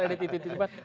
siapa sih kira kira yang